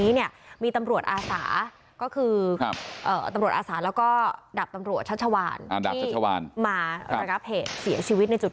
กระสุนอีกกว่าเจ็ดร้อยแล้วก็เริ่มไล่กระดาษยิงประชาชนจนทำให้จุดน